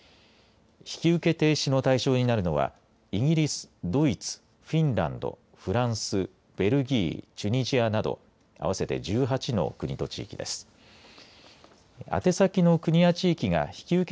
引き受け停止の対象になるのはイギリス、ドイツフィンランド、フランスベルギー、チュニジアなど合わせて１８の国と地域です。